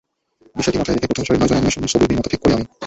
বিষয়টি মাথায় রেখে প্রথম সারির নয়জন অ্যানিমেশন ছবির নির্মাতা ঠিক করি আমি।